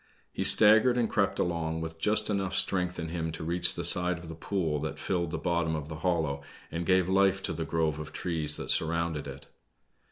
He staggered and crept along, with just enough strength in him to reach the side of the pool that filled the bottom of the hollow and gave life to the grove of trees that surrounded it.